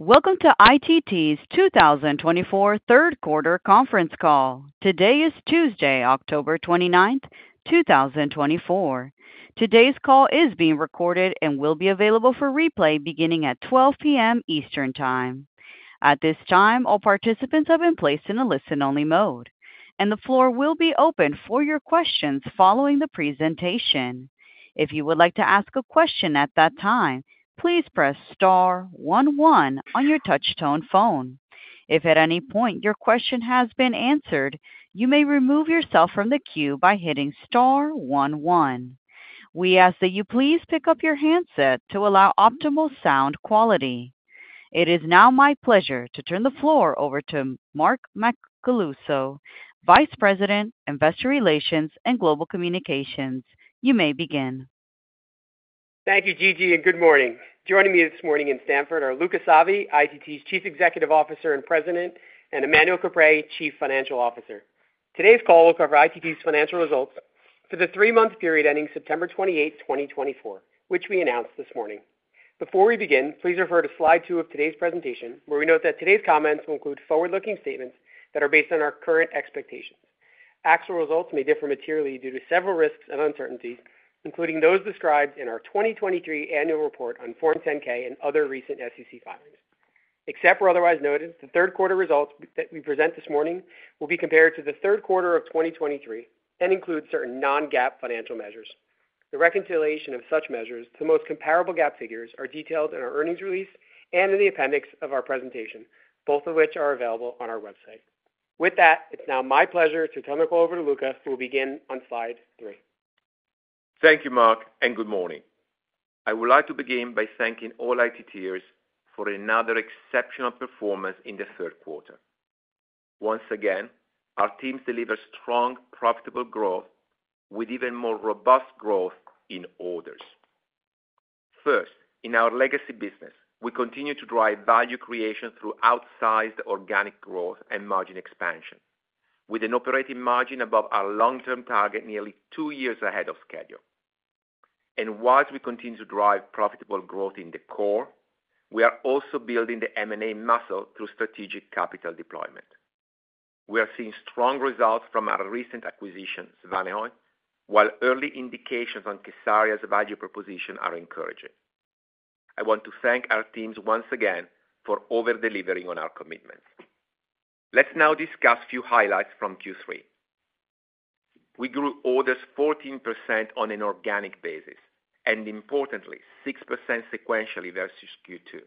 Welcome to ITT's 2024 Third Quarter Conference Call. Today is Tuesday, October 29th, 2024. Today's call is being recorded and will be available for replay beginning at 12:00 P.M. Eastern Time. At this time, all participants have been placed in a listen-only mode, and the floor will be open for your questions following the presentation. If you would like to ask a question at that time, please press star 11 on your touch-tone phone. If at any point your question has been answered, you may remove yourself from the queue by hitting star 11. We ask that you please pick up your handset to allow optimal sound quality. It is now my pleasure to turn the floor over to Mark Macaluso, Vice President, Investor Relations and Global Communications. You may begin. Thank you, Gigi, and good morning. Joining me this morning in Stamford are Luca Savi, ITT's Chief Executive Officer and President, and Emmanuel Caprais, Chief Financial Officer. Today's call will cover ITT's financial results for the three-month period ending September 28th, 2024, which we announced this morning. Before we begin, please refer to slide two of today's presentation, where we note that today's comments will include forward-looking statements that are based on our current expectations. Actual results may differ materially due to several risks and uncertainties, including those described in our 2023 annual report on Form 10-K and other recent SEC filings. Except for otherwise noted, the third quarter results that we present this morning will be compared to the third quarter of 2023 and include certain non-GAAP financial measures. The reconciliation of such measures to the most comparable GAAP figures is detailed in our earnings release and in the appendix of our presentation, both of which are available on our website. With that, it's now my pleasure to turn the call over to Luca, who will begin on slide three. Thank you, Mark, and good morning. I would like to begin by thanking all ITTers for another exceptional performance in the third quarter. Once again, our teams deliver strong, profitable growth with even more robust growth in orders. First, in our legacy business, we continue to drive value creation through outsized organic growth and margin expansion, with an operating margin above our long-term target nearly two years ahead of schedule. And while we continue to drive profitable growth in the core, we are also building the M&A muscle through strategic capital deployment. We are seeing strong results from our recent Svanehøj, while early indications on K-SARIA's value proposition are encouraging. I want to thank our teams once again for over-delivering on our commitments. Let's now discuss a few highlights from Q3. We grew orders 14% on an organic basis and, importantly, 6% sequentially versus Q2.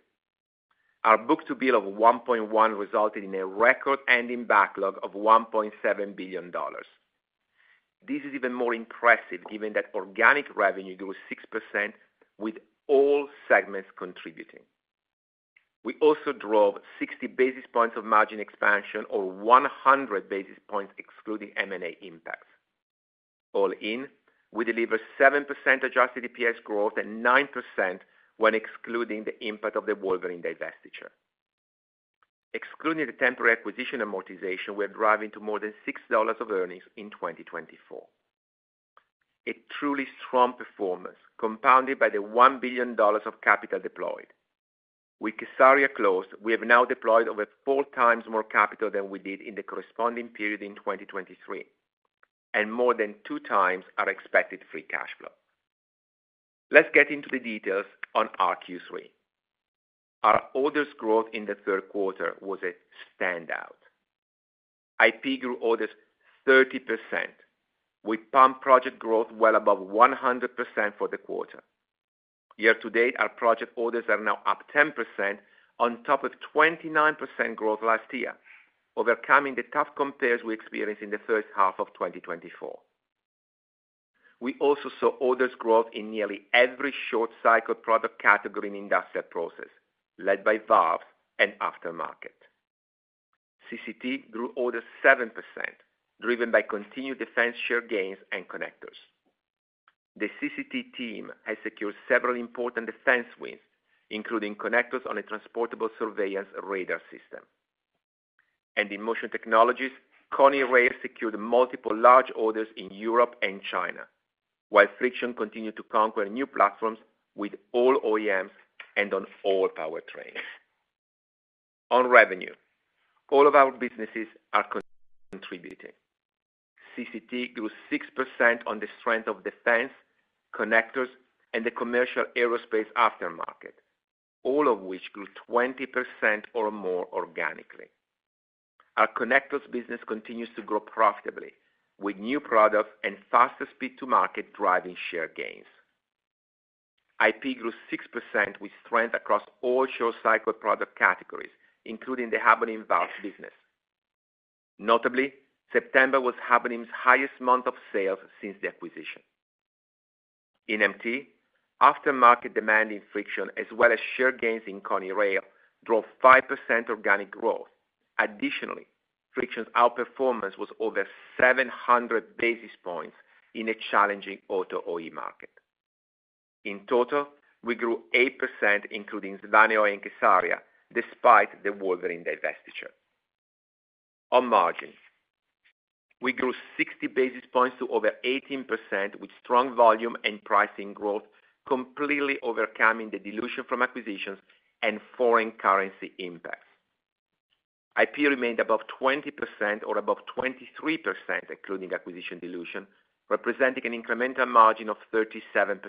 Our book-to-bill of 1.1 resulted in a record-ending backlog of $1.7 billion. This is even more impressive given that organic revenue grew 6% with all segments contributing. We also drove 60 basis points of margin expansion, or 100 basis points excluding M&A impacts. All in, we delivered 7% adjusted EPS growth and 9% when excluding the impact of the Wolverine divestiture. Excluding the temporary acquisition amortization, we are driving to more than $6 of earnings in 2024. A truly strong performance, compounded by the $1 billion of capital deployed. With K-SARIA closed, we have now deployed over four times more capital than we did in the corresponding period in 2023, and more than two times our expected free cash flow. Let's get into the details on our Q3. Our orders growth in the third quarter was a standout. IP grew orders 30%, with pump project growth well above 100% for the quarter. Year-to-date, our project orders are now up 10% on top of 29% growth last year, overcoming the tough compares we experienced in the first half of 2024. We also saw orders growth in nearly every short-cycle product category and industrial process, led by valves and aftermarket. CCT grew orders 7%, driven by continued defense share gains and connectors. The CCT team has secured several important defense wins, including connectors on a transportable surveillance radar system, and in Motion Technologies, Koni Rail secured multiple large orders in Europe and China, while Friction continued to conquer new platforms with all OEMs and on all powertrains. On revenue, all of our businesses are contributing. CCT grew 6% on the strength of defense, connectors, and the commercial aerospace aftermarket, all of which grew 20% or more organically. Our connectors business continues to grow profitably, with new products and faster speed to market driving share gains. IP grew 6% with strength across all short-cycle product categories, including the Habonim valves business. Notably, September was Habonim's highest month of sales since the acquisition. In MT, aftermarket demand in Friction, as well as share gains in Koni Rail, drove 5% organic growth. Additionally, Friction's outperformance was over 700 basis points in a challenging auto OE market. In total, we grew 8%, Svanehøj and K-SARIA, despite the Wolverine divestiture. On margin, we grew 60 basis points to over 18%, with strong volume and pricing growth, completely overcoming the dilution from acquisitions and foreign currency impacts. IP remained above 20% or above 23%, including acquisition dilution, representing an incremental margin of 37%.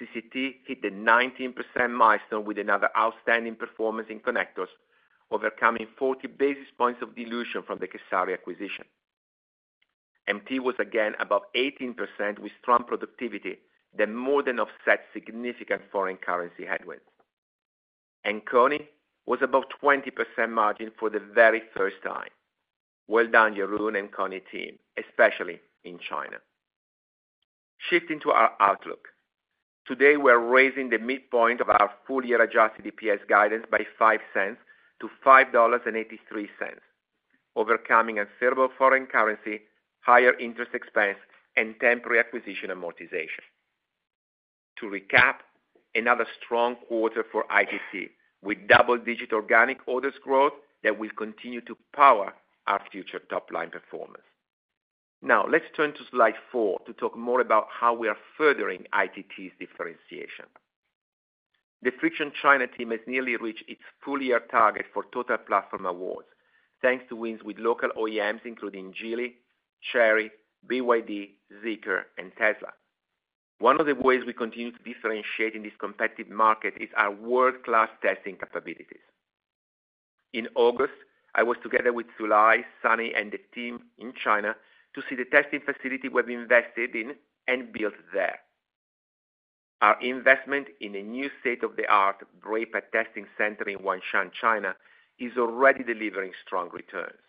CCT hit the 19% milestone with another outstanding performance in connectors, overcoming 40 basis points of dilution from the K-SARIA acquisition. MT was again above 18% with strong productivity that more than offsets significant foreign currency headwinds. And IP was above 20% margin for the very first time. Well done, Jeroen and IP team, especially in China. Shifting to our outlook, today we are raising the midpoint of our full-year adjusted EPS guidance by $0.05 to $5.83, overcoming unfavorable foreign currency, higher interest expense, and temporary acquisition amortization. To recap, another strong quarter for ITT, with double-digit organic orders growth that will continue to power our future top-line performance. Now, let's turn to slide four to talk more about how we are furthering ITT's differentiation. The Friction China team has nearly reached its full-year target for total platform awards, thanks to wins with local OEMs, including Geely, Chery, BYD, Zeekr, and Tesla. One of the ways we continue to differentiate in this competitive market is our world-class testing capabilities. In August, I was together with Zhulai, Sunny, and the team in China to see the testing facility we have invested in and built there. Our investment in a new state-of-the-art brake testing center in Huangshan, China, is already delivering strong returns.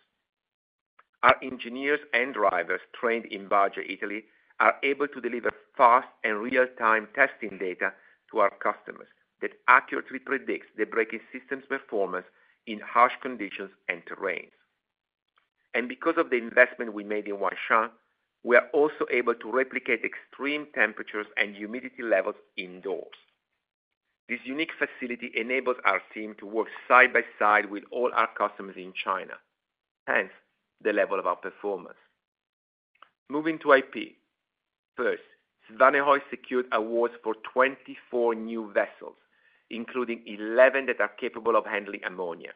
Our engineers and drivers trained in Barge, Italy, are able to deliver fast and real-time testing data to our customers that accurately predicts the brake system's performance in harsh conditions and terrains, and because of the investment we made in Huangshan, we are also able to replicate extreme temperatures and humidity levels indoors. This unique facility enables our team to work side by side with all our customers in China, hence the level of our performance. Moving to IP, Svanehøj secured awards for 24 new vessels, including 11 that are capable of handling ammonia.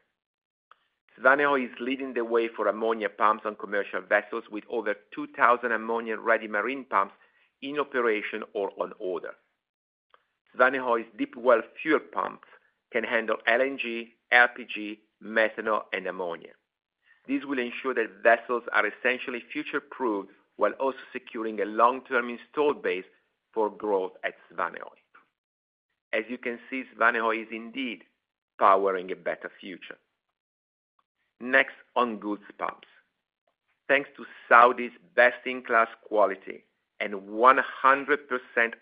Svanehøj is leading the way for ammonia pumps on commercial vessels with over 2,000 ammonia-ready marine pumps in operation or on Svanehøj's deep well fuel pumps can handle LNG, LPG, methanol, and ammonia. This will ensure that vessels are essentially future-proofed while also securing a long-term installed base for growth Svanehøj. As you can see, Svanehøj is indeed powering a better future. Next, on cargo pumps. Thanks Svanehøj's best-in-class quality and 100%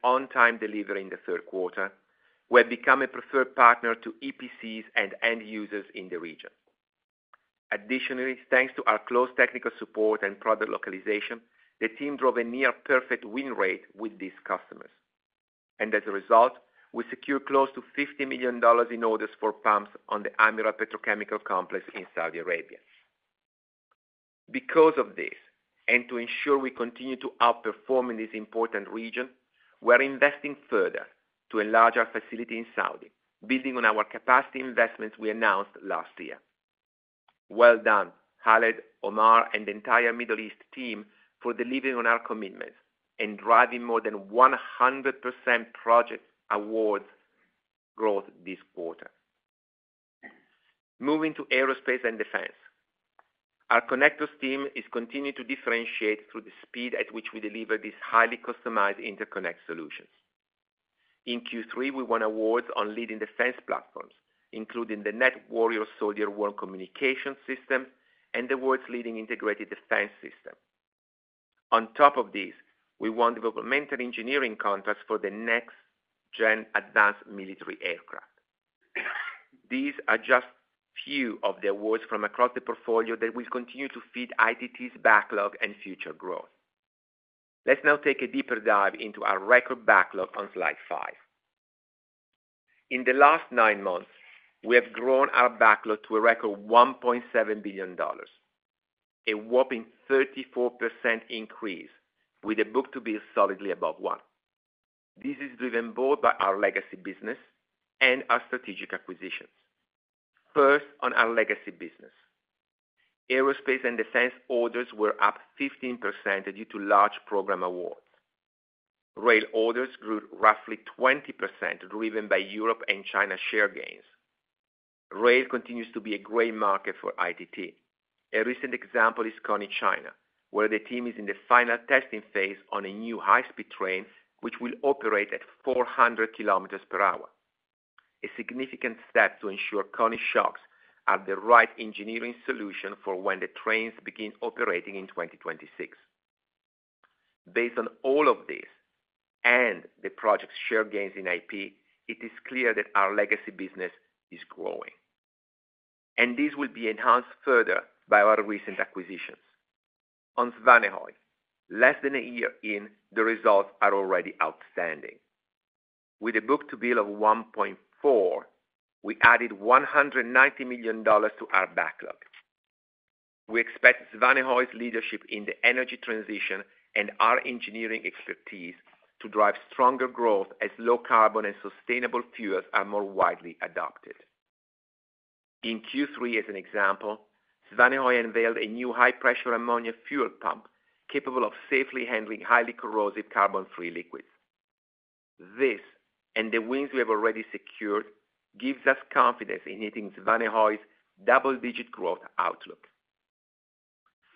on-time delivery in the third quarter, we have become a preferred partner to EPCs and end users in the region. Additionally, thanks to our close technical support and product localization, the team drove a near-perfect win rate with these customers. And as a result, we secured close to $50 million in orders for pumps on the Amiral Petrochemical Complex in Saudi Arabia. Because of this, and to ensure we continue to outperform in this important region, we are investing further to enlarge our facility in Saudi, building on our capacity investments we announced last year. Well done, Khaled, Omar, and the entire Middle East team for delivering on our commitments and driving more than 100% project awards growth this quarter. Moving to aerospace and defense, our connectors team is continuing to differentiate through the speed at which we deliver these highly customized interconnect solutions. In Q3, we won awards on leading defense platforms, including the Nett Warrior soldier-worn communication system and the world's leading integrated defense system. On top of these, we won developmental engineering contracts for the next-gen advanced military aircraft. These are just a few of the awards from across the portfolio that will continue to feed ITT's backlog and future growth. Let's now take a deeper dive into our record backlog on slide five. In the last nine months, we have grown our backlog to a record $1.7 billion, a whopping 34% increase, with a book-to-bill solidly above one. This is driven both by our legacy business and our strategic acquisitions. First, on our legacy business, aerospace and defense orders were up 15% due to large program awards. Rail orders grew roughly 20%, driven by Europe and China share gains. Rail continues to be a great market for ITT. A recent example is Koni China, where the team is in the final testing phase on a new high-speed train, which will operate at 400 km per hour. This is a significant step to ensure Koni shocks are the right engineering solution for when the trains begin operating in 2026. Based on all of this and the project's share gains in IP, it is clear that our legacy business is growing, and this will be enhanced further by our recent acquisitions. Svanehøj, less than a year in, the results are already outstanding. With a book-to-bill of 1.4, we added $190 million to our backlog. We leverage Svanehøj's leadership in the energy transition and our engineering expertise to drive stronger growth as low-carbon and sustainable fuels are more widely adopted. In Q3, Svanehøj unveiled a new high-pressure ammonia fuel pump capable of safely handling highly corrosive carbon-free liquids. This, and the wins we have already secured, gives us confidence in Svanehøj's double-digit growth outlook.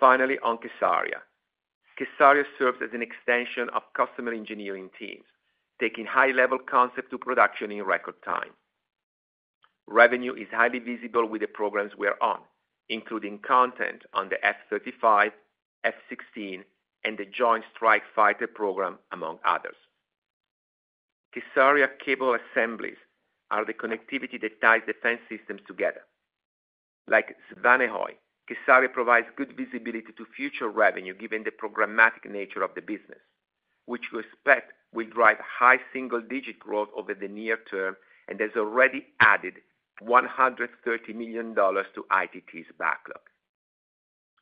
Finally, on K-SARIA. K-SARIA serves as an extension of customer engineering teams, taking high-level concept to production in record time. Revenue is highly visible with the programs we are on, including content on the F-35, F-16, and the Joint Strike Fighter program, among others. K-SARIA cable assemblies are the connectivity that ties defense systems together. Like Svanehøj, K-SARIA provides good visibility to future revenue given the programmatic nature of the business, which we expect will drive high single-digit growth over the near term and has already added $130 million to ITT's backlog.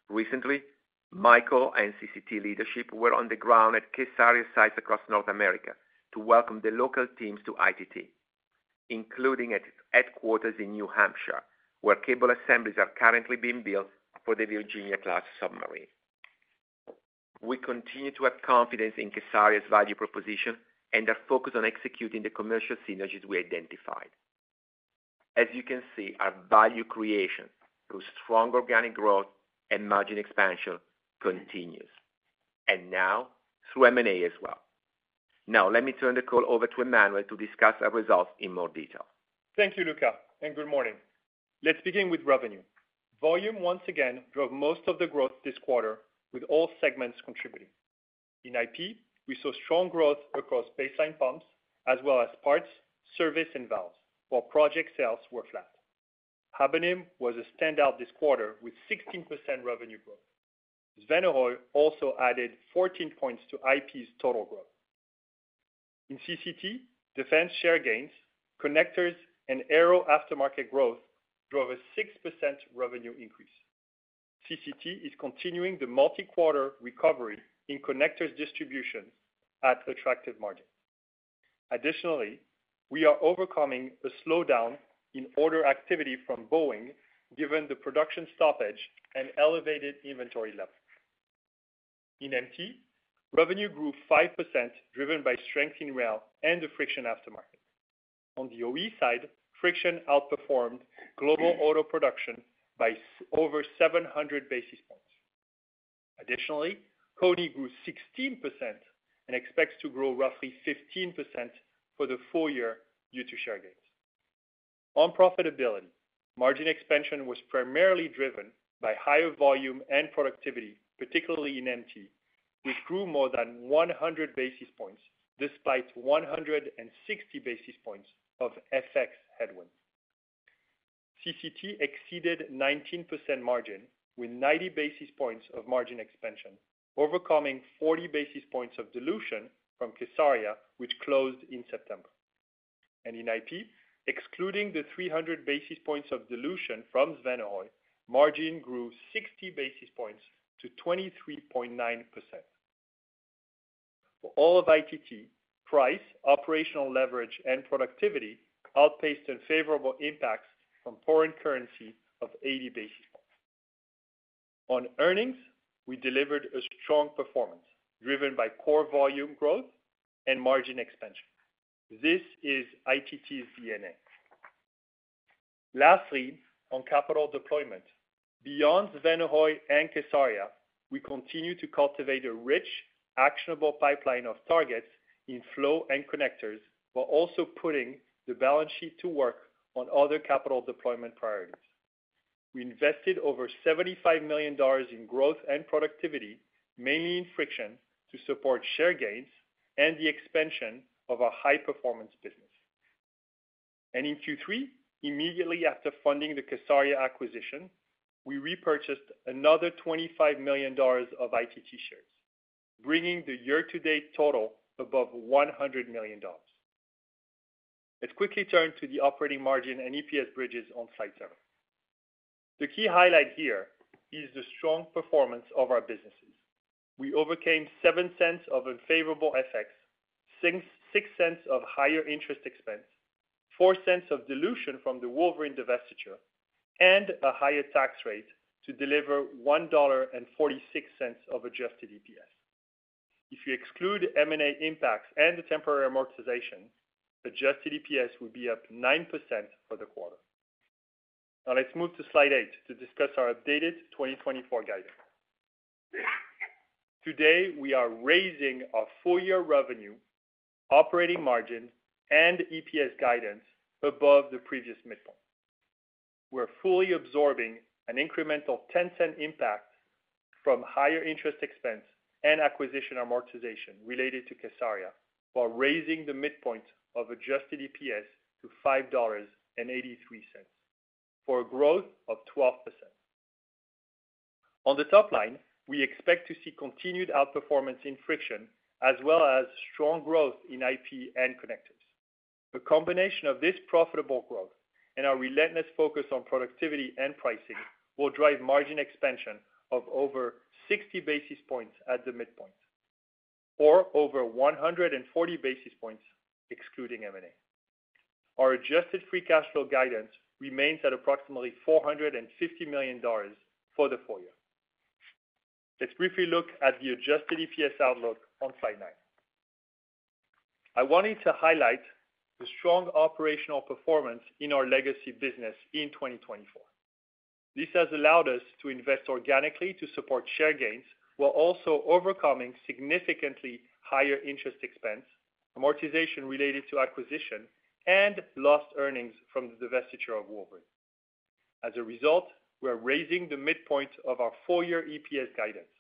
Recently, Michael and CCT leadership were on the ground at K-SARIA sites across North America to welcome the local teams to ITT, including at headquarters in New Hampshire, where cable assemblies are currently being built for the Virginia-class submarine. We continue to have confidence in K-SARIA's value proposition and are focused on executing the commercial synergies we identified. As you can see, our value creation through strong organic growth and margin expansion continues, and now through M&A as well. Now, let me turn the call over to Emmanuel to discuss our results in more detail. Thank you, Luca, and good morning. Let's begin with revenue. Volume, once again, drove most of the growth this quarter, with all segments contributing. In IP, we saw strong growth across baseline pumps, as well as parts, service, and valves, while project sales were flat. Habonim was a standout this quarter with 16% revenue growth. Svanehøj also added 14 points to IP's total growth. In CCT, defense share gains, connectors, and aero aftermarket growth drove a 6% revenue increase. CCT is continuing the multi-quarter recovery in connectors distributions at attractive margins. Additionally, we are overcoming a slowdown in order activity from Boeing, given the production stoppage and elevated inventory levels. In MT, revenue grew 5%, driven by strength in rail and the Friction aftermarket. On the OE side, Friction outperformed global auto production by over 700 basis points. Additionally, Koni grew 16% and expects to grow roughly 15% for the full year due to share gains. On profitability, margin expansion was primarily driven by higher volume and productivity, particularly in MT, which grew more than 100 basis points despite 160 basis points of FX headwinds. CCT exceeded 19% margin with 90 basis points of margin expansion, overcoming 40 basis points of dilution from K-SARIA, which closed in September, and in IP, excluding the 300 basis points of dilution Svanehøj, margin grew 60 basis points to 23.9%. For all of ITT, price, operational leverage, and productivity outpaced favorable impacts from foreign currency of 80 basis points. On earnings, we delivered a strong performance driven by core volume growth and margin expansion. This is ITT's DNA. Lastly, on capital deployment, Svanehøj and K-SARIA, we continue to cultivate a rich, actionable pipeline of targets in flow and connectors, while also putting the balance sheet to work on other capital deployment priorities. We invested over $75 million in growth and productivity, mainly in Friction, to support share gains and the expansion of our high-performance business. In Q3, immediately after funding the K-SARIA acquisition, we repurchased another $25 million of ITT shares, bringing the year-to-date total above $100 million. Let's quickly turn to the operating margin and EPS bridges on slide seven. The key highlight here is the strong performance of our businesses. We overcame $0.07 of unfavorable FX, $0.06 of higher interest expense, $0.04 of dilution from the Wolverine divestiture, and a higher tax rate to deliver $1.46 of adjusted EPS. If you exclude M&A impacts and the temporary amortization, adjusted EPS would be up 9% for the quarter. Now, let's move to slide eight to discuss our updated 2024 guidance. Today, we are raising our full-year revenue, operating margin, and EPS guidance above the previous midpoint. We're fully absorbing an incremental $0.10 impact from higher interest expense and acquisition amortization related to K-SARIA, while raising the midpoint of adjusted EPS to $5.83 for a growth of 12%. On the top line, we expect to see continued outperformance in Friction, as well as strong growth in IP and connectors. A combination of this profitable growth and our relentless focus on productivity and pricing will drive margin expansion of over 60 basis points at the midpoint, or over 140 basis points excluding M&A. Our adjusted free cash flow guidance remains at approximately $450 million for the full year. Let's briefly look at the adjusted EPS outlook on slide nine. I wanted to highlight the strong operational performance in our legacy business in 2024. This has allowed us to invest organically to support share gains, while also overcoming significantly higher interest expense, amortization related to acquisition, and lost earnings from the divestiture of Wolverine. As a result, we're raising the midpoint of our full-year EPS guidance.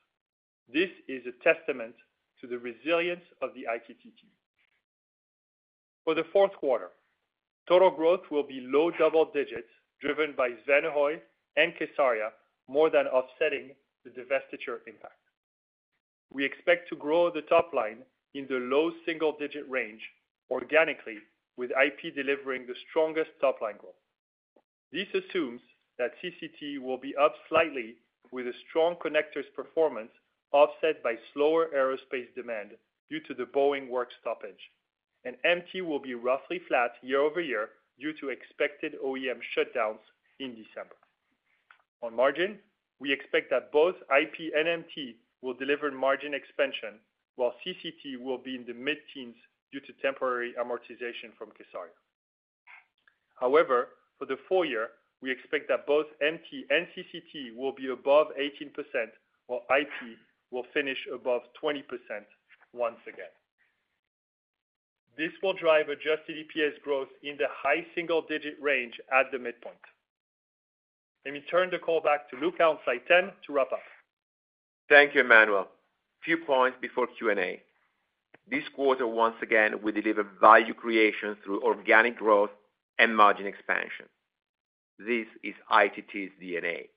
This is a testament to the resilience of the ITT team. For the fourth quarter, total growth will be low double digits, driven Svanehøj and K-SARIA, more than offsetting the divestiture impact. We expect to grow the top line in the low single-digit range organically, with IP delivering the strongest top line growth. This assumes that CCT will be up slightly with a strong connectors performance offset by slower aerospace demand due to the Boeing work stoppage, and MT will be roughly flat year-over-year due to expected OEM shutdowns in December. On margin, we expect that both IP and MT will deliver margin expansion, while CCT will be in the mid-teens due to temporary amortization from K-SARIA. However, for the full year, we expect that both MT and CCT will be above 18%, while IP will finish above 20% once again. This will drive adjusted EPS growth in the high single-digit range at the midpoint. Let me turn the call back to Luca on slide 10 to wrap up. Thank you, Emmanuel. Few points before Q&A. This quarter, once again, we deliver value creation through organic growth and margin expansion. This is ITT's DNA.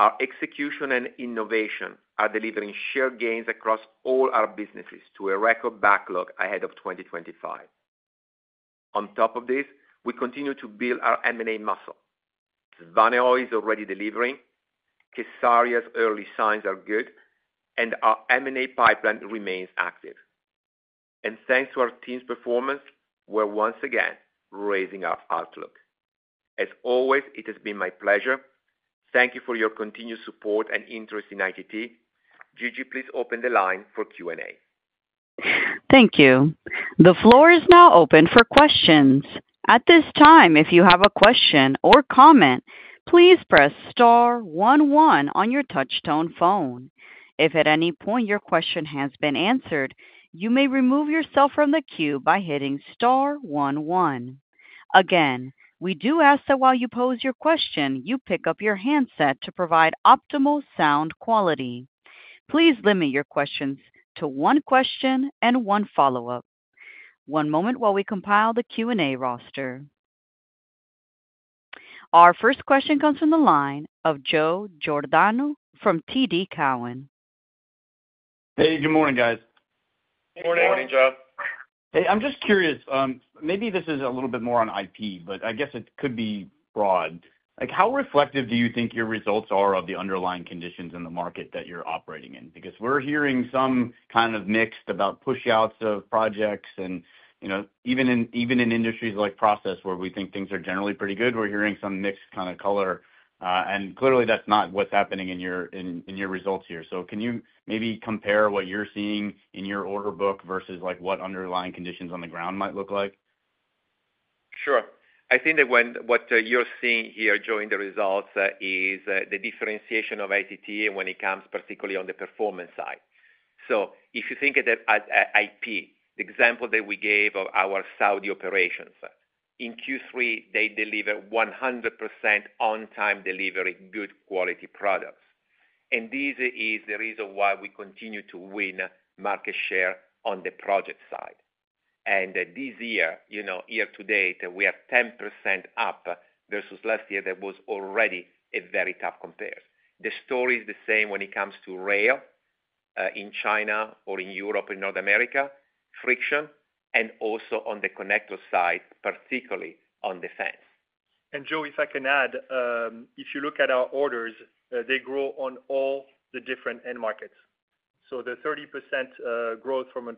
Our execution and innovation are delivering share gains across all our businesses to a record backlog ahead of 2025. On top of this, we continue to build our M&A Svanehøj is already delivering. K-SARIA's early signs are good, and our M&A pipeline remains active. Thanks to our team's performance, we're once again raising our outlook. As always, it has been my pleasure. Thank you for your continued support and interest in ITT. Gigi, please open the line for Q&A. Thank you. The floor is now open for questions. At this time, if you have a question or comment, please press star one one on your touchtone phone. If at any point your question has been answered, you may remove yourself from the queue by hitting star one one. Again, we do ask that while you pose your question, you pick up your handset to provide optimal sound quality. Please limit your questions to one question and one follow-up. One moment while we compile the Q&A roster. Our first question comes from the line of Joe Giordano from TD Cowen. Hey, good morning, guys. Hey, morning, Joe. Hey, I'm just curious. Maybe this is a little bit more on IP, but I guess it could be broad. How reflective do you think your results are of the underlying conditions in the market that you're operating in? Because we're hearing some kind of mixed about push-outs of projects and even in industries like process, where we think things are generally pretty good, we're hearing some mixed kind of color. And clearly, that's not what's happening in your results here. So can you maybe compare what you're seeing in your order book versus what underlying conditions on the ground might look like? Sure. I think that what you're seeing here, Joey, in the results is the differentiation of ITT when it comes, particularly, on the performance side. So if you think of the IP, the example that we gave of our Saudi operations, in Q3, they deliver 100% on-time delivery, good quality products. This is the reason why we continue to win market share on the project side. This year, year to date, we are 10% up versus last year that was already a very tough compare. The story is the same when it comes to rail in China or in Europe and North America, Friction, and also on the connector side, particularly on defense. Joe, if I can add, if you look at our orders, they grow on all the different end markets. The 30% growth from an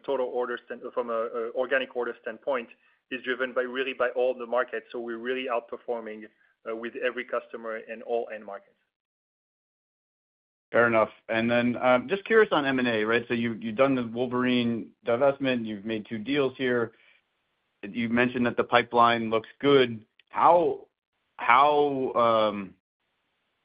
organic order standpoint is driven really by all the markets. We're really outperforming with every customer in all end markets. Fair enough. Then just curious on M&A, right? So you've done the Wolverine divestment. You've made two deals here. You mentioned that the pipeline looks good. How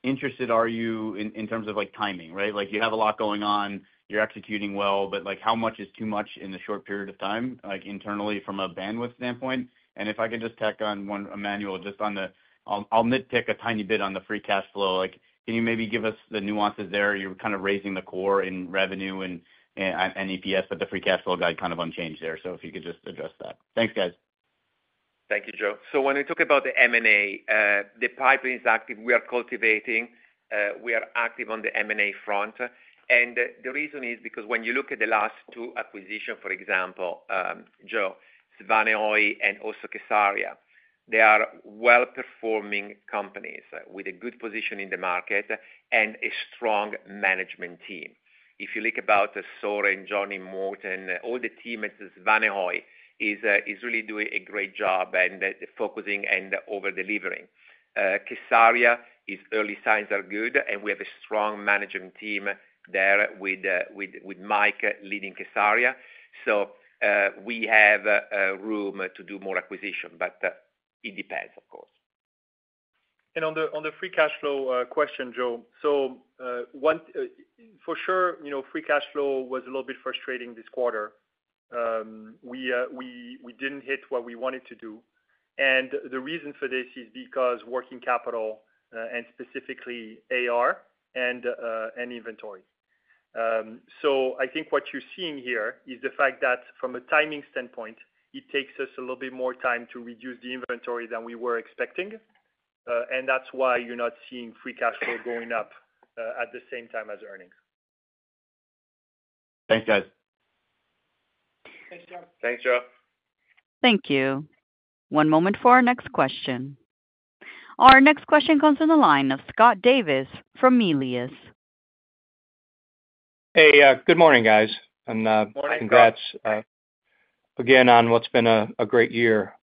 interested are you in terms of timing, right? You have a lot going on. You're executing well, but how much is too much in the short period of time internally from a bandwidth standpoint? And if I can just tack on one, Emmanuel, just on the. I'll nitpick a tiny bit on the free cash flow. Can you maybe give us the nuances there? You're kind of raising the core in revenue and EPS, but the free cash flow guide kind of unchanged there. So if you could just address that. Thanks, guys. Thank you, Joe. So when we talk about the M&A, the pipeline is active. We are cultivating. We are active on the M&A front. And the reason is because when you look at the last two acquisitions, for example, Svanehøj and also K-SARIA, they are well-performing companies with a good position in the market and a strong management team. If you look at Søren and Morten, all the team Svanehøj is really doing a great job and focusing and over-delivering. K-SARIA, its early signs are good, and we have a strong management team there with Mark leading K-SARIA, so we have room to do more acquisition, but it depends, of course. And on the free cash flow question, Joe, so for sure, free cash flow was a little bit frustrating this quarter. We didn't hit what we wanted to do, and the reason for this is because working capital and specifically AR and inventory, so I think what you're seeing here is the fact that from a timing standpoint, it takes us a little bit more time to reduce the inventory than we were expecting, and that's why you're not seeing free cash flow going up at the same time as earnings. Thanks, guys. Thanks, Joe. Thank you. One moment for our next question. Our next question comes from the line of Scott Davis from Melius. Hey, good morning, guys, and congrats again on what's been a great year.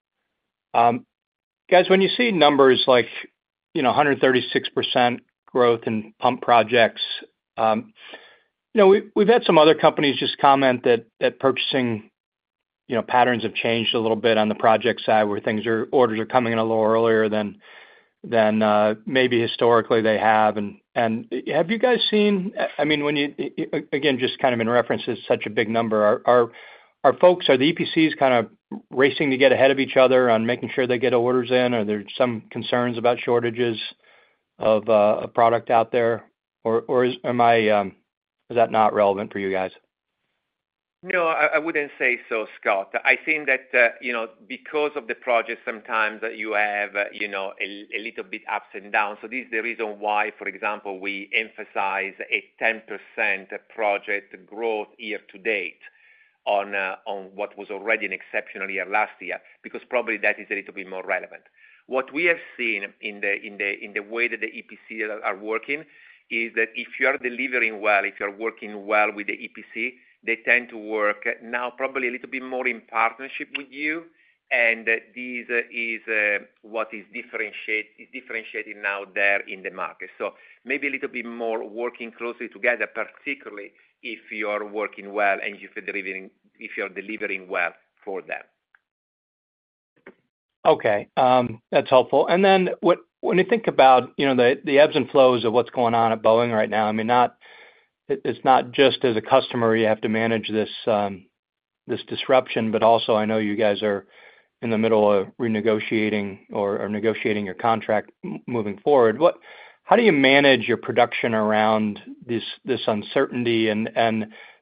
Guys, when you see numbers like 136% growth in pump projects, we've had some other companies just comment that purchasing patterns have changed a little bit on the project side where orders are coming in a little earlier than maybe historically they have, and have you guys seen? I mean, again, just kind of in reference, it's such a big number. Are the EPCs kind of racing to get ahead of each other on making sure they get orders in? Are there some concerns about shortages of product out there? Or is that not relevant for you guys? No, I wouldn't say so, Scott. I think that because of the projects, sometimes you have a little bit ups and downs. So this is the reason why, for example, we emphasize a 10% project growth year to date on what was already an exceptional year last year because probably that is a little bit more relevant. What we have seen in the way that the EPCs are working is that if you are delivering well, if you're working well with the EPC, they tend to work now probably a little bit more in partnership with you. And this is what is differentiating now there in the market. So maybe a little bit more working closely together, particularly if you are working well and if you're delivering well for them. Okay. That's helpful. And then when you think about the ebbs and flows of what's going on at Boeing right now, I mean, it's not just as a customer you have to manage this disruption, but also I know you guys are in the middle of renegotiating or negotiating your contract moving forward. How do you manage your production around this uncertainty? And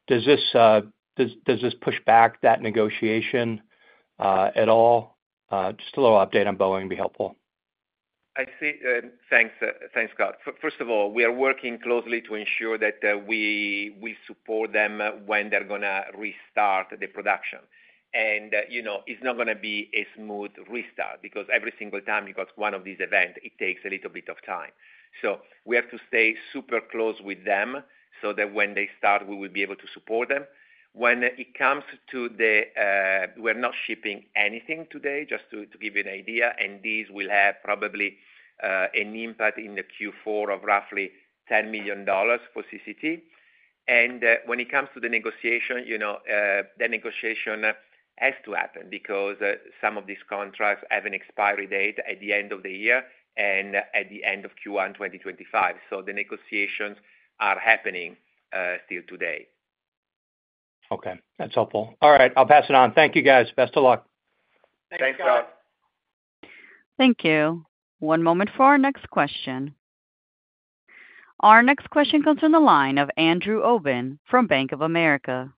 does this push back that negotiation at all? Just a little update on Boeing would be helpful. I see. Thanks, Scott. First of all, we are working closely to ensure that we support them when they're going to restart the production. And it's not going to be a smooth restart because every single time you got one of these events, it takes a little bit of time. So we have to stay super close with them so that when they start, we will be able to support them. When it comes to the, we're not shipping anything today, just to give you an idea. This will have probably an impact in the Q4 of roughly $10 million for CCT. When it comes to the negotiation, that negotiation has to happen because some of these contracts have an expiry date at the end of the year and at the end of Q1 2025. So the negotiations are happening still today. Okay. That's helpful. All right. I'll pass it on. Thank you, guys. Best of luck. Thanks, Scott. Thank you. One moment for our next question. Our next question comes from the line of Andrew Obin from Bank of America.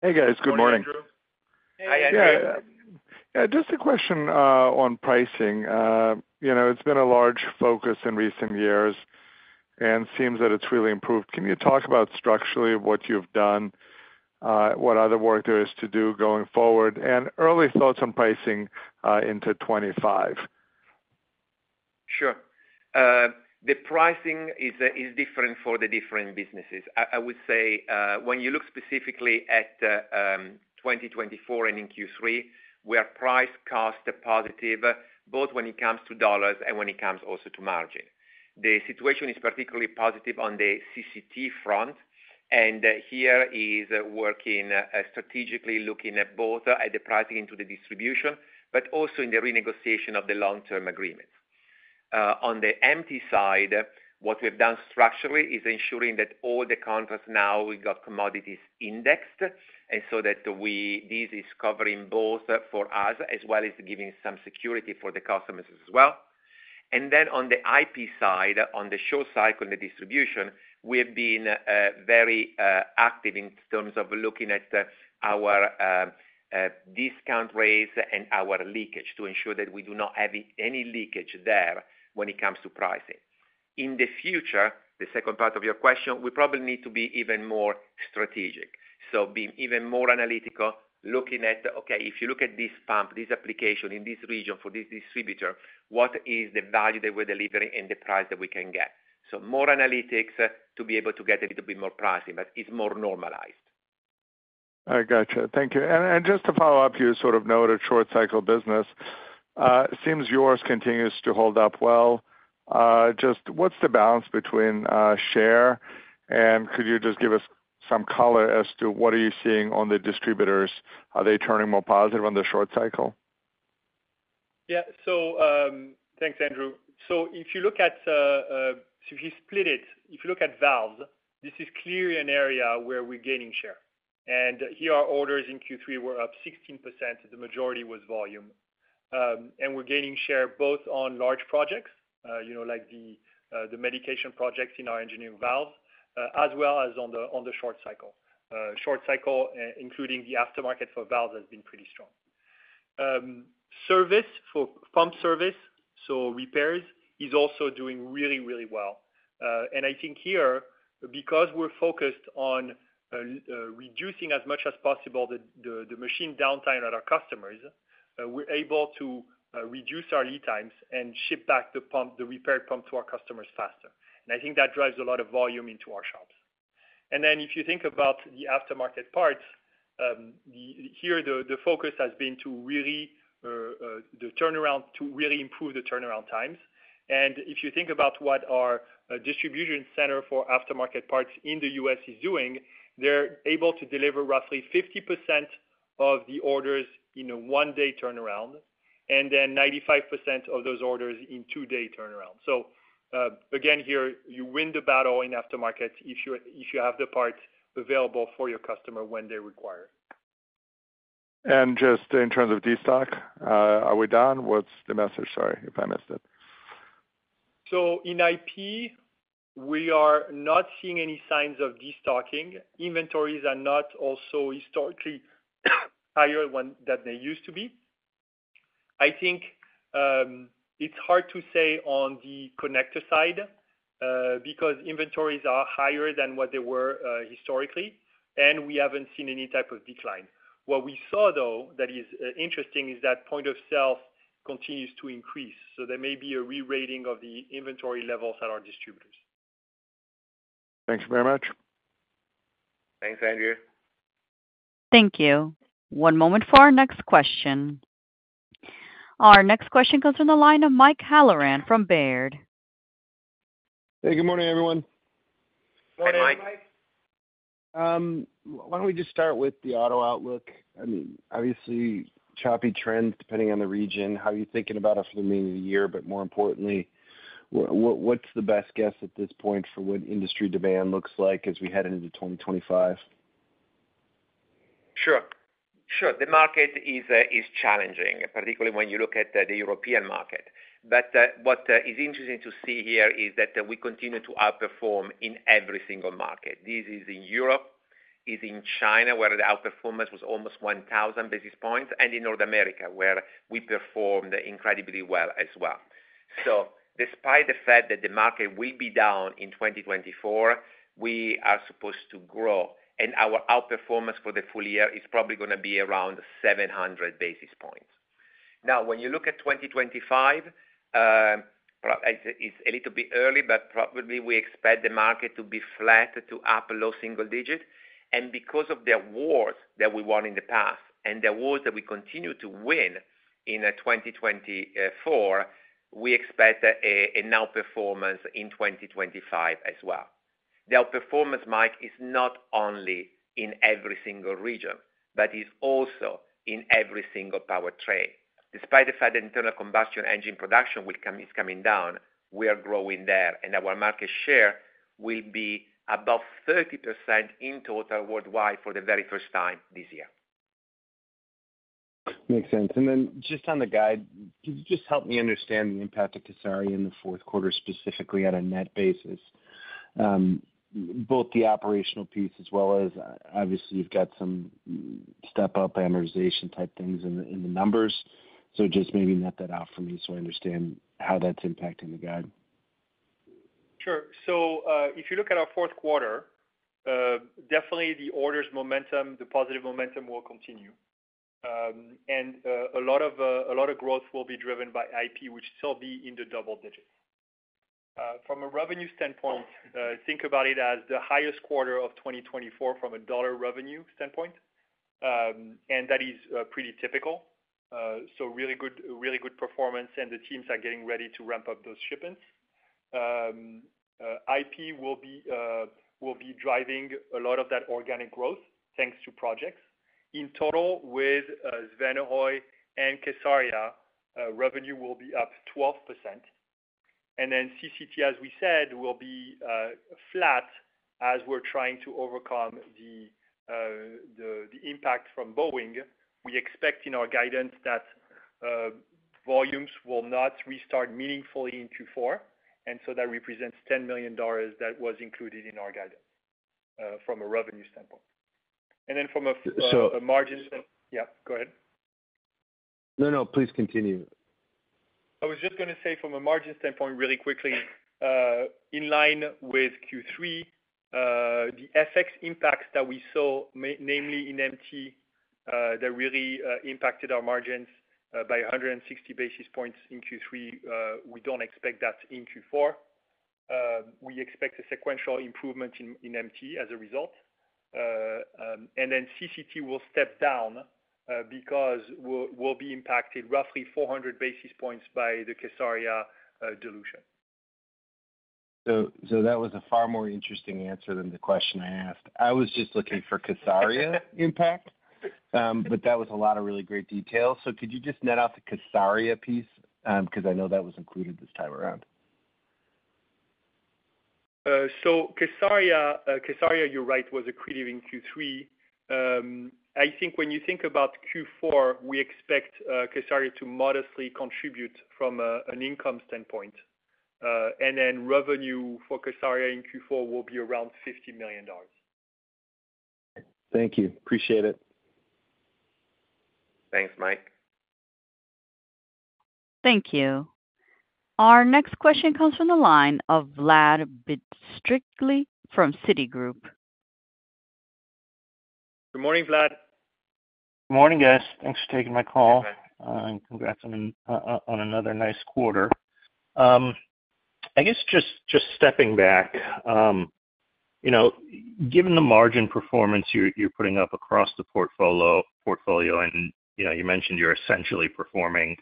Hey, guys. Good morning. Hey, Andrew. Hi, Andrew. Yeah, just a question on pricing. It's been a large focus in recent years and seems that it's really improved. Can you talk about structurally what you've done, what other work there is to do going forward, and early thoughts on pricing into 2025? Sure. The pricing is different for the different businesses. I would say when you look specifically at 2024 and in Q3, we are price cost positive both when it comes to dollars and when it comes also to margin. The situation is particularly positive on the CCT front, and here is working strategically looking at both at the pricing into the distribution, but also in the renegotiation of the long-term agreements. On the MT side, what we've done structurally is ensuring that all the contracts now we got commodities indexed and so that this is covering both for us as well as giving some security for the customers as well. And then on the IP side, on the short cycle and the distribution, we have been very active in terms of looking at our discount rates and our leakage to ensure that we do not have any leakage there when it comes to pricing. In the future, the second part of your question, we probably need to be even more strategic. So being even more analytical, looking at, okay, if you look at this pump, this application in this region for this distributor, what is the value that we're delivering and the price that we can get? So more analytics to be able to get a little bit more pricing, but it's more normalized. I gotcha. Thank you. And just to follow up, you sort of noted short-cycle business. It seems yours continues to hold up well. Just what's the balance between share? Could you just give us some color as to what are you seeing on the distributors? Are they turning more positive on the short cycle? Yeah. Thanks, Andrew. If you split it, if you look at valves, this is clearly an area where we're gaining share. And here our orders in Q3 were up 16%. The majority was volume. And we're gaining share both on large projects like the methanation projects in our engineering valves as well as on the short cycle. Short cycle, including the aftermarket for valves, has been pretty strong. Service for pump service, so repairs, is also doing really, really well. And I think here, because we're focused on reducing as much as possible the machine downtime at our customers, we're able to reduce our lead times and ship back the repaired pump to our customers faster. I think that drives a lot of volume into our shops. Then if you think about the aftermarket parts, here the focus has been to really the turnaround to really improve the turnaround times. And if you think about what our distribution center for aftermarket parts in the U.S. is doing, they're able to deliver roughly 50% of the orders in a one-day turnaround and then 95% of those orders in two-day turnaround. So again, here you win the battle in aftermarket if you have the parts available for your customer when they require. And just in terms of destock, are we done? What's the message? Sorry if I missed it. So in IP, we are not seeing any signs of destocking. Inventories are not also historically higher than they used to be. I think it's hard to say on the connector side because inventories are higher than what they were historically, and we haven't seen any type of decline. What we saw, though, that is interesting is that point of sales continues to increase. So there may be a re-rating of the inventory levels at our distributors. Thanks very much. Thanks, Andrew. Thank you. One moment for our next question. Our next question comes from the line of Mike Halloran from Baird. Hey, good morning, everyone. Morning, Mike. Why don't we just start with the auto outlook? I mean, obviously, choppy trends depending on the region. How are you thinking about it for the remainder of the year? But more importantly, what's the best guess at this point for what industry demand looks like as we head into 2025? Sure. Sure. The market is challenging, particularly when you look at the European market. But what is interesting to see here is that we continue to outperform in every single market. This is in Europe, in China, where the outperformance was almost 1,000 basis points, and in North America, where we performed incredibly well as well. So despite the fact that the market will be down in 2024, we are supposed to grow. And our outperformance for the full year is probably going to be around 700 basis points. Now, when you look at 2025, it's a little bit early, but probably we expect the market to be flat to upper low single digit. And because of the awards that we won in the past and the awards that we continue to win in 2024, we expect outperformance in 2025 as well. The outperformance, Mike, is not only in every single region, but is also in every single powertrain. Despite the fact that internal combustion engine production is coming down, we are growing there, and our market share will be above 30% in total worldwide for the very first time this year. Makes sense. And then just on the guide, could you just help me understand the impact of K-SARIA in the fourth quarter specifically on a net basis, both the operational piece as well as obviously you've got some step-up amortization type things in the numbers? So just maybe net that out for me so I understand how that's impacting the guide. Sure. So if you look at our fourth quarter, definitely the orders momentum, the positive momentum will continue. And a lot of growth will be driven by IP, which will still be in the double digits. From a revenue standpoint, think about it as the highest quarter of 2024 from a dollar revenue standpoint. And that is pretty typical. So really good performance, and the teams are getting ready to ramp up those shipments. IP will be driving a lot of that organic growth thanks to projects. In total, Svanehøj and K-SARIA, revenue will be up 12%. And then CCT, as we said, will be flat as we're trying to overcome the impact from Boeing. We expect in our guidance that volumes will not restart meaningfully in Q4. And so that represents $10 million that was included in our guidance from a revenue standpoint. And then from a margin standpoint. Yeah, go ahead. No, no. Please continue. I was just going to say from a margin standpoint, really quickly, in line with Q3, the FX impacts that we saw, namely in MT, that really impacted our margins by 160 basis points in Q3. We don't expect that in Q4. We expect a sequential improvement in MT as a result. Then CCT will step down because we'll be impacted roughly 400 basis points by the K-SARIA dilution. So that was a far more interesting answer than the question I asked. I was just looking for K-SARIA impact, but that was a lot of really great detail. So could you just net out the K-SARIA piece? Because I know that was included this time around. So K-SARIA, you're right, was accretive in Q3. I think when you think about Q4, we expect K-SARIA to modestly contribute from an income standpoint. And then revenue for K-SARIA in Q4 will be around $50 million. Thank you. Appreciate it. Thanks, Mike. Thank you. Our next question comes from the line of Vlad Bystricky from Citigroup. Good morning, Vlad. Good morning, guys. Thanks for taking my call. And congrats on another nice quarter. I guess just stepping back, given the margin performance you're putting up across the portfolio, and you mentioned you're essentially performing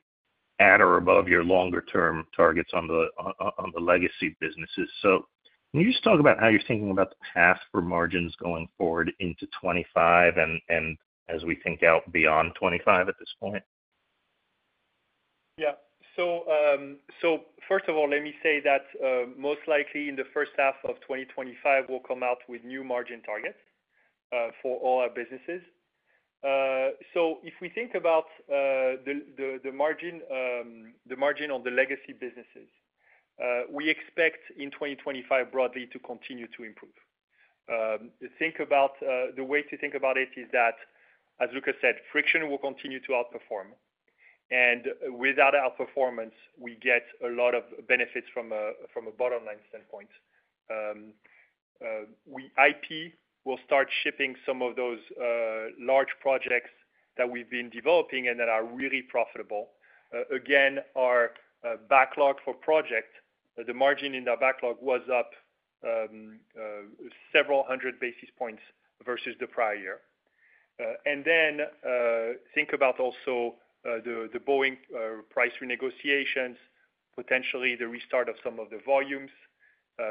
at or above your longer-term targets on the legacy businesses. So can you just talk about how you're thinking about the path for margins going forward into 2025 and as we think out beyond 2025 at this point? Yeah. So first of all, let me say that most likely in the first half of 2025, we'll come out with new margin targets for all our businesses. So if we think about the margin on the legacy businesses, we expect in 2025 broadly to continue to improve. The way to think about it is that, as Luca said, Friction will continue to outperform. And with that outperformance, we get a lot of benefits from a bottom-line standpoint. IP will start shipping some of those large projects that we've been developing and that are really profitable. Again, our backlog for projects, the margin in our backlog was up several hundred basis points versus the prior year. And then think about also the Boeing price renegotiations, potentially the restart of some of the volumes,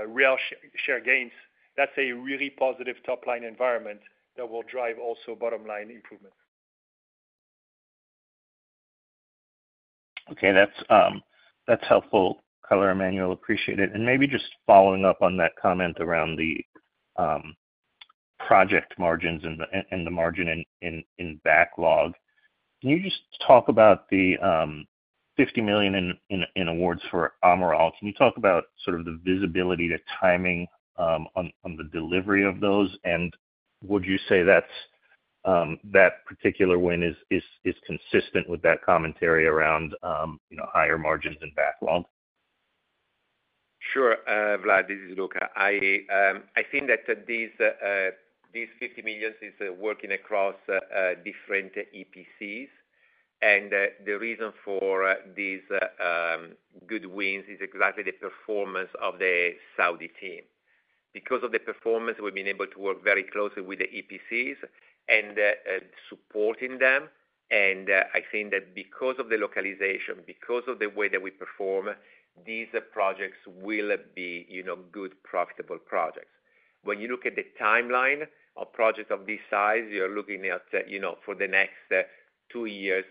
real share gains. That's a really positive top-line environment that will drive also bottom-line improvement. Okay. That's helpful, Emmanuel Caprais. Appreciate it. Maybe just following up on that comment around the project margins and the margin in backlog, can you just talk about the $50 million in awards for Amiral? Can you talk about sort of the visibility, the timing on the delivery of those? And would you say that that particular win is consistent with that commentary around higher margins in backlog? Sure. Vlad, this is Luca. I think that these $50 million is working across different EPCs. And the reason for these good wins is exactly the performance of the Saudi team. Because of the performance, we've been able to work very closely with the EPCs and supporting them. And I think that because of the localization, because of the way that we perform, these projects will be good, profitable projects. When you look at the timeline of projects of this size, you're looking at for the next two years,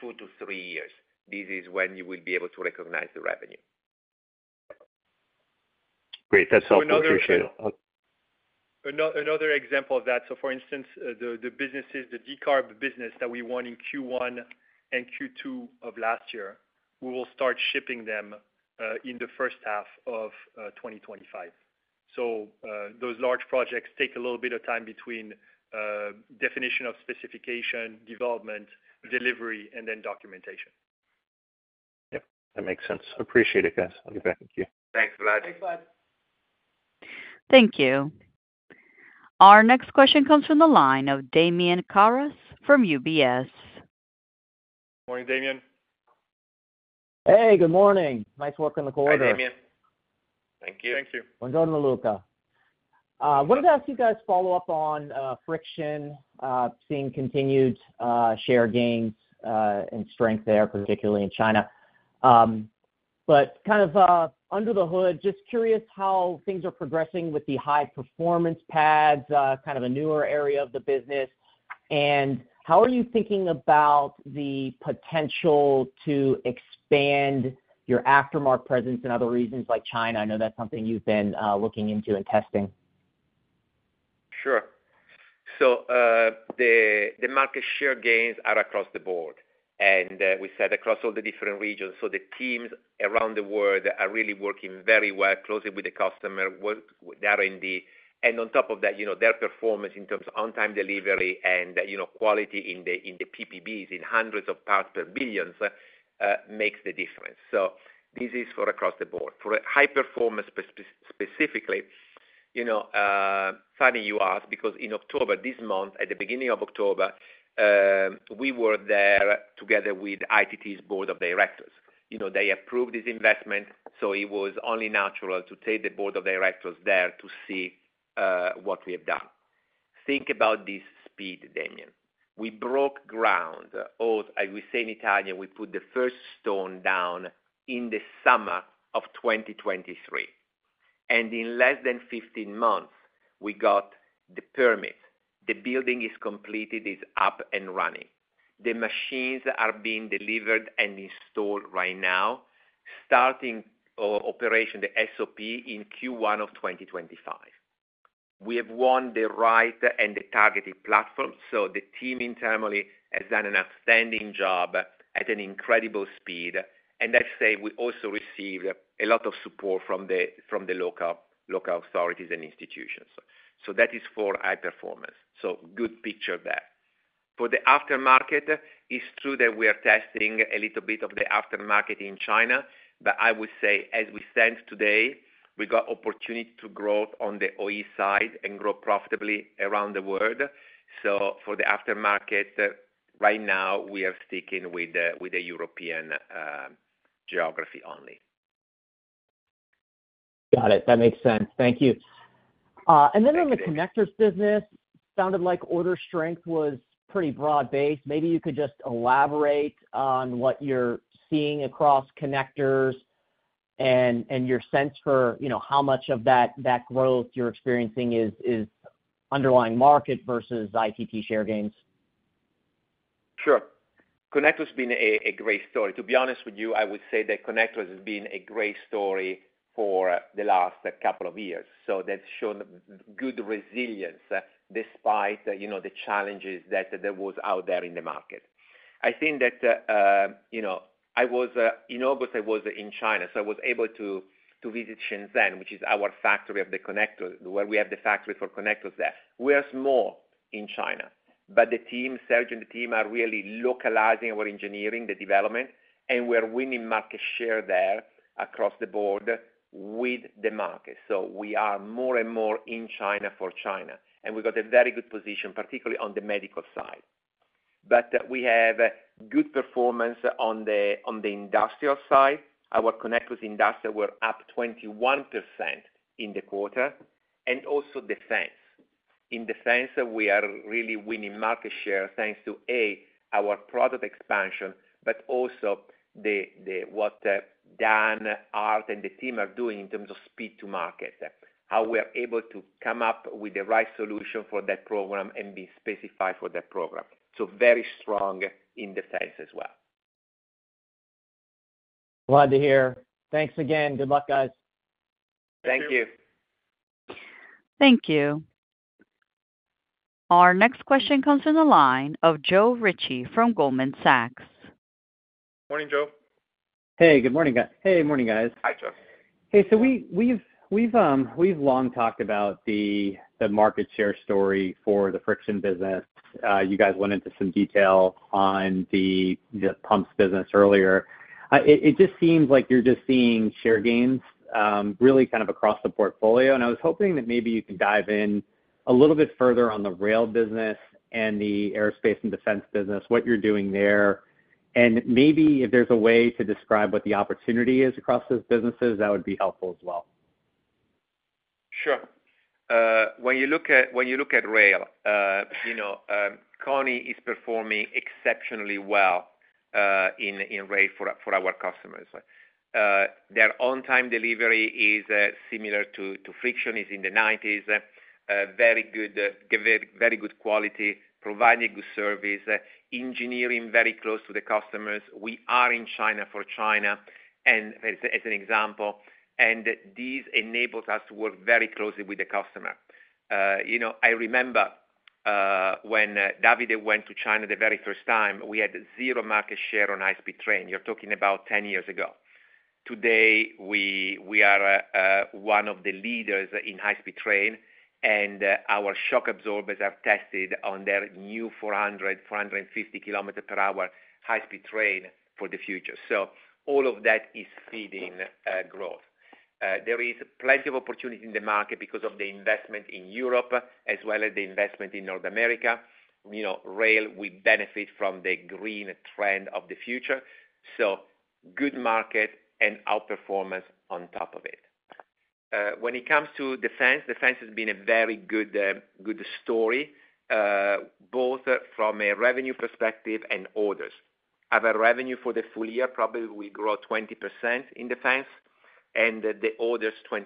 two to three years, this is when you will be able to recognize the revenue. Great. That's helpful. Appreciate it. Another example of that. So for instance, the decarb business that we won in Q1 and Q2 of last year, we will start shipping them in the first half of 2025. So those large projects take a little bit of time between definition of specification, development, delivery, and then documentation. Yep. That makes sense. Appreciate it, guys. Thank you. Thanks, Vlad. Thanks, Vlad. Thank you. Our next question comes from the line of Damian Karas from UBS. Morning, Damien. Hey, good morning. Nice work on the quarter. Hi, Damien. Thank you. Thank you. Buongiorno, Luca. I wanted to ask you guys to follow up on Friction, seeing continued share gains and strength there, particularly in China. But kind of under the hood, just curious how things are progressing with the high-performance pads, kind of a newer area of the business, and how are you thinking about the potential to expand your aftermarket presence in other regions like China? I know that's something you've been looking into and testing. Sure, so the market share gains are across the board, and we said across all the different regions, so the teams around the world are really working very well closely with the customer, with R&D, and on top of that, their performance in terms of on-time delivery and quality in the PPBs, in hundreds of parts per billion, makes the difference, so this is for across the board. For high-performance specifically, funny you asked because in October this month, at the beginning of October, we were there together with ITT's board of directors. They approved this investment, so it was only natural to take the board of directors there to see what we have done. Think about this speed, Damian. We broke ground. We say in Italian, we put the first stone down in the summer of 2023, and in less than 15 months, we got the permit. The building is completed, is up and running. The machines are being delivered and installed right now, starting operation, the SOP, in Q1 of 2025. We have won the right and the targeted platform, so the team internally has done an outstanding job at an incredible speed, and I'd say we also received a lot of support from the local authorities and institutions, so that is for high performance. So, good picture there. For the aftermarket, it's true that we are testing a little bit of the aftermarket in China. But I would say as we stand today, we got opportunity to grow on the OE side and grow profitably around the world. So for the aftermarket, right now, we are sticking with the European geography only. Got it. That makes sense. Thank you. And then on the connectors business, sounded like order strength was pretty broad-based. Maybe you could just elaborate on what you're seeing across connectors and your sense for how much of that growth you're experiencing is underlying market versus ITT share gains. Sure. Connectors has been a great story. To be honest with you, I would say that connectors has been a great story for the last couple of years. So that's shown good resilience despite the challenges that there was out there in the market. I think that I was in August, I was in China. So I was able to visit Shenzhen, which is our factory of the connectors, where we have the factory for connectors there. We are small in China. But the team, Serge and the team, are really localizing our engineering, the development, and we're winning market share there across the board with the market. So we are more and more in China for China. And we got a very good position, particularly on the medical side. But we have good performance on the industrial side. Our connectors industry were up 21% in the quarter. And also defense. In defense, we are really winning market share thanks to, A, our product expansion, but also what Dan and Art and the team are doing in terms of speed to market, how we are able to come up with the right solution for that program and be specified for that program. So very strong in defense as well. Glad to hear. Thanks again. Good luck, guys. Thank you. Thank you. Our next question comes from the line of Joe Ritchie from Goldman Sachs. Morning, Joe. Hey, good morning, guys. Hey, morning, guys. Hi, Joe. Hey, so we've long talked about the market share story for the friction business. You guys went into some detail on the pumps business earlier. It just seems like you're just seeing share gains really kind of across the portfolio. I was hoping that maybe you could dive in a little bit further on the rail business and the aerospace and defense business, what you're doing there. And maybe if there's a way to describe what the opportunity is across those businesses, that would be helpful as well. Sure. When you look at rail, Koni is performing exceptionally well in rail for our customers. Their on-time delivery is similar to Friction, is in the 90s, very good quality, providing good service, engineering very close to the customers. We are in China for China, as an example. And this enables us to work very closely with the customer. I remember when Davide went to China the very first time, we had zero market share on high-speed train. You're talking about 10 years ago. Today, we are one of the leaders in high-speed train. Our shock absorbers are tested on their new 400-450 km per hour high-speed train for the future. All of that is feeding growth. There is plenty of opportunity in the market because of the investment in Europe, as well as the investment in North America. Rail, we benefit from the green trend of the future. Good market and outperformance on top of it. When it comes to defense, defense has been a very good story, both from a revenue perspective and orders. Our revenue for the full year probably will grow 20% in defense and the orders 25%.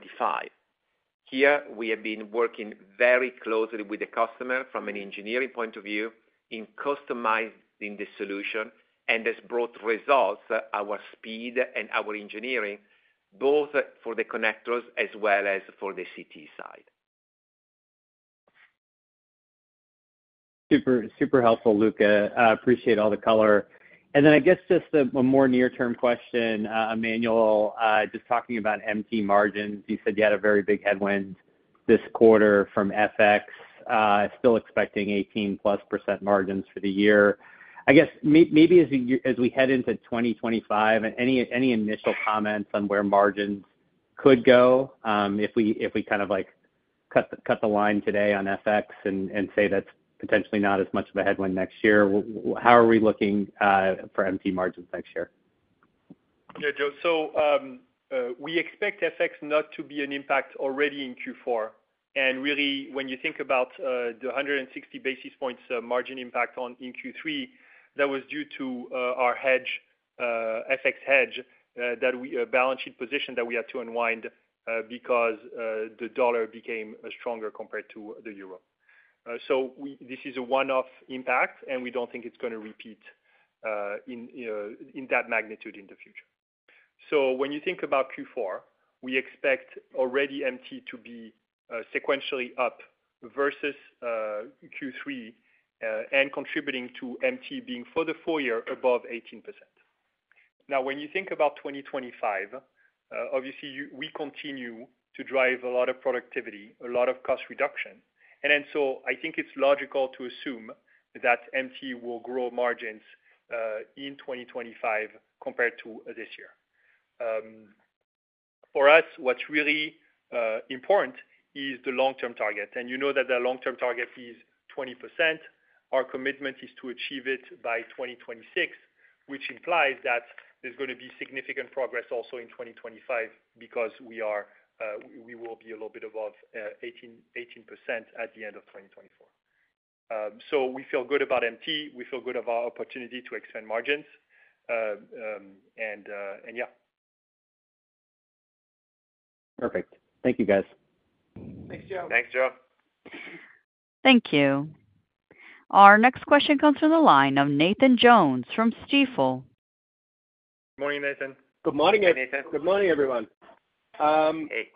Here, we have been working very closely with the customer from an engineering point of view in customizing the solution. It's brought results, our speed and our engineering, both for the connectors as well as for the CCT side. Super helpful, Luca. Appreciate all the color. And then I guess just a more near-term question, Emmanuel, just talking about MT margins. You said you had a very big headwind this quarter from FX, still expecting 18+% margins for the year. I guess maybe as we head into 2025, any initial comments on where margins could go if we kind of cut the line today on FX and say that's potentially not as much of a headwind next year? How are we looking for MT margins next year? Yeah, Joe. So we expect FX not to be an impact already in Q4. And really, when you think about the 160 basis points margin impact in Q3, that was due to our FX hedge, that balance sheet position that we had to unwind because the dollar became stronger compared to the euro. So this is a one-off impact, and we don't think it's going to repeat in that magnitude in the future. So when you think about Q4, we expect already MT to be sequentially up versus Q3 and contributing to MT being for the full year above 18%. Now, when you think about 2025, obviously, we continue to drive a lot of productivity, a lot of cost reduction. And so I think it's logical to assume that MT will grow margins in 2025 compared to this year. For us, what's really important is the long-term target. And you know that the long-term target is 20%. Our commitment is to achieve it by 2026, which implies that there's going to be significant progress also in 2025 because we will be a little bit above 18% at the end of 2024. So we feel good about MT. We feel good about our opportunity to expand margins. And yeah. Perfect. Thank you, guys. Thanks, Joe. Thanks, Joe. Thank you. Our next question comes from the line of Nathan Jones from Stifel. Good morning, Nathan. Good morning, Nathan. Good morning, everyone. Hey.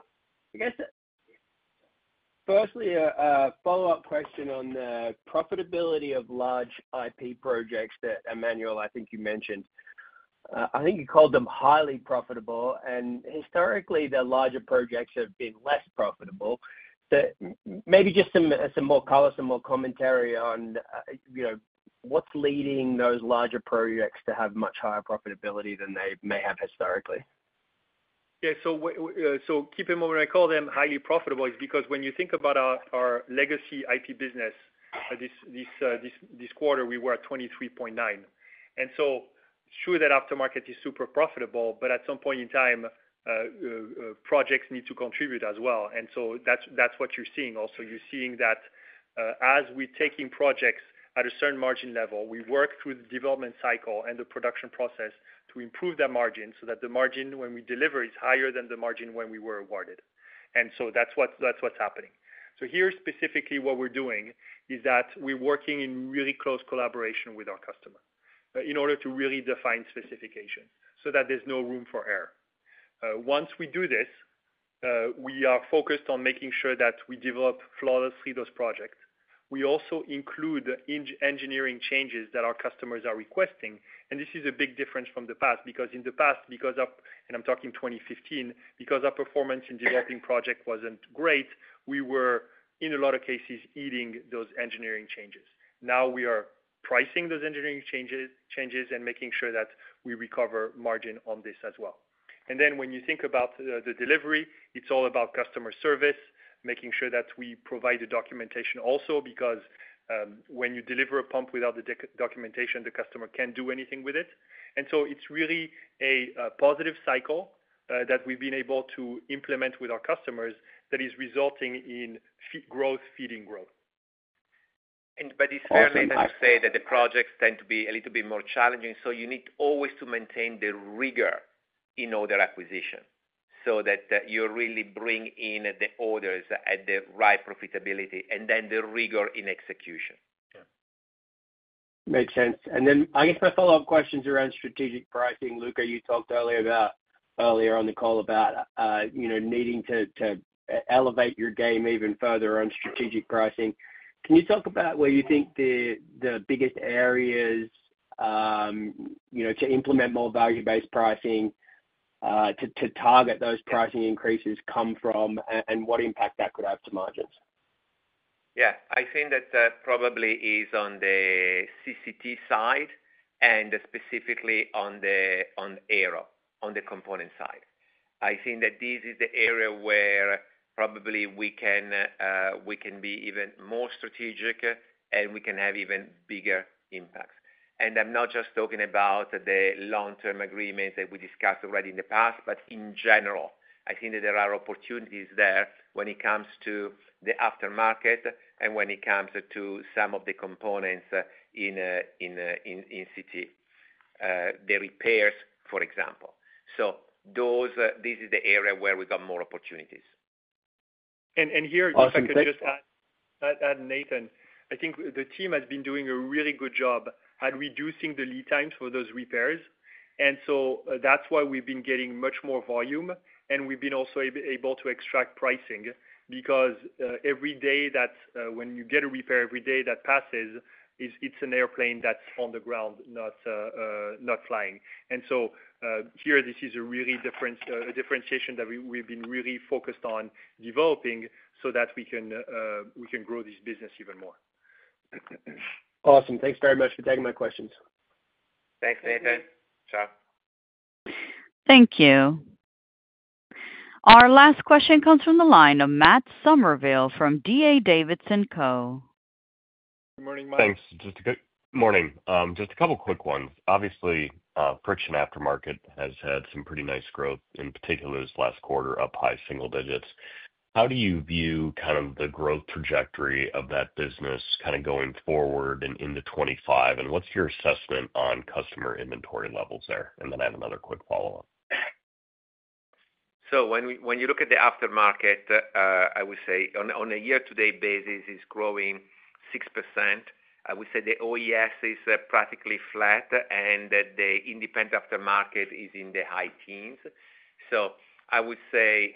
Firstly, a follow-up question on the profitability of large IP projects that Emmanuel, I think you mentioned. I think you called them highly profitable. And historically, the larger projects have been less profitable. Maybe just some more color, some more commentary on what's leading those larger projects to have much higher profitability than they may have historically. Yeah. So keep in mind when I call them highly profitable is because when you think about our legacy IP business, this quarter, we were at 23.9%. And so sure that aftermarket is super profitable, but at some point in time, projects need to contribute as well. That's what you're seeing also. You're seeing that as we're taking projects at a certain margin level, we work through the development cycle and the production process to improve that margin so that the margin when we deliver is higher than the margin when we were awarded. That's what's happening. Here, specifically, what we're doing is that we're working in really close collaboration with our customer in order to really define specifications so that there's no room for error. Once we do this, we are focused on making sure that we develop flawlessly those projects. We also include engineering changes that our customers are requesting. This is a big difference from the past because in the past, and I'm talking 2015, because our performance in developing projects wasn't great, we were, in a lot of cases, eating those engineering changes. Now we are pricing those engineering changes and making sure that we recover margin on this as well. And then when you think about the delivery, it's all about customer service, making sure that we provide the documentation also because when you deliver a pump without the documentation, the customer can't do anything with it. And so it's really a positive cycle that we've been able to implement with our customers that is resulting in growth, feeding growth. But it's fairly easy to say that the projects tend to be a little bit more challenging. So you need always to maintain the rigor in order acquisition so that you really bring in the orders at the right profitability and then the rigor in execution. Yeah. Makes sense. And then I guess my follow-up questions around strategic pricing. Luca, you talked earlier on the call about needing to elevate your game even further on strategic pricing. Can you talk about where you think the biggest areas to implement more value-based pricing, to target those pricing increases come from, and what impact that could have to margins? Yeah. I think that probably is on the CCT side and specifically on the aero, on the component side. I think that this is the area where probably we can be even more strategic and we can have even bigger impacts. And I'm not just talking about the long-term agreements that we discussed already in the past, but in general, I think that there are opportunities there when it comes to the aftermarket and when it comes to some of the components in CCT, the repairs, for example. So this is the area where we got more opportunities. And here, if I could just add, Nathan, I think the team has been doing a really good job at reducing the lead times for those repairs. And so that's why we've been getting much more volume. And we've been also able to extract pricing because every day that when you get a repair, every day that passes, it's an airplane that's on the ground, not flying. And so here, this is a really differentiation that we've been really focused on developing so that we can grow this business even more. Awesome. Thanks very much for taking my questions. Thanks, Nathan. Ciao. Thank you. Our last question comes from the line of Matt Somerville from D.A. Davidson & Co.. Good morning, Mike. Thanks. Just a good morning. Just a couple of quick ones. Obviously, Friction aftermarket has had some pretty nice growth, in particular this last quarter, up high single digits. How do you view kind of the growth trajectory of that business kind of going forward and into 2025? And what's your assessment on customer inventory levels there? And then I have another quick follow-up. So when you look at the aftermarket, I would say on a year-to-date basis, it's growing 6%. I would say the OES is practically flat, and the independent aftermarket is in the high teens. So I would say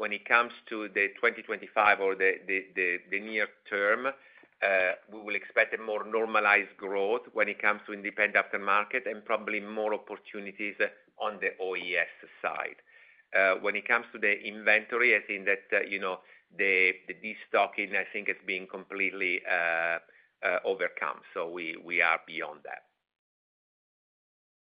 when it comes to 2025 or the near term, we will expect a more normalized growth when it comes to independent aftermarket and probably more opportunities on the OES side. When it comes to the inventory, I think that the destocking, I think, has been completely overcome. So we are beyond that.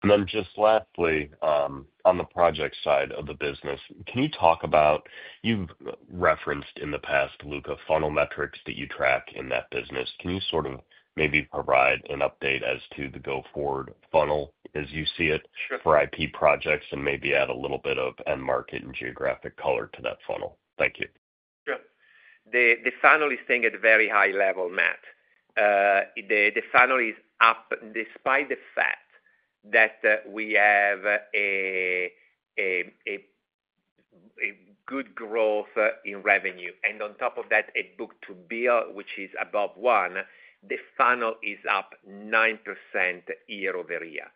And then just lastly, on the project side of the business, can you talk about you've referenced in the past, Luca, funnel metrics that you track in that business? Can you sort of maybe provide an update as to the go-forward funnel as you see it for IP projects and maybe add a little bit of end market and geographic color to that funnel? Thank you. Sure. The funnel is staying at a very high level, Matt. The funnel is up despite the fact that we have a good growth in revenue. And on top of that, a book-to-bill, which is above one, the funnel is up 9% year-over-year.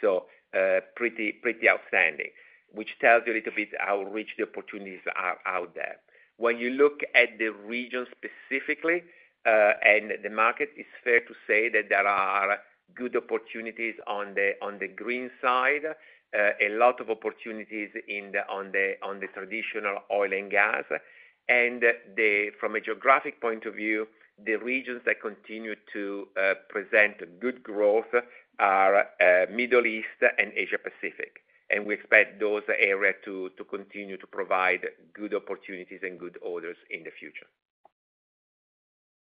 So pretty outstanding, which tells you a little bit how rich the opportunities are out there. When you look at the region specifically and the market, it's fair to say that there are good opportunities on the green side, a lot of opportunities in the traditional oil and gas, and from a geographic point of view, the regions that continue to present good growth are Middle East and Asia-Pacific, and we expect those areas to continue to provide good opportunities and good orders in the future.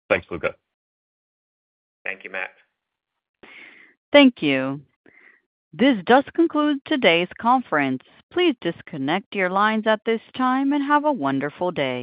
Thanks, Luca. Thank you, Matt. Thank you. This does conclude today's conference. Please disconnect your lines at this time and have a wonderful day.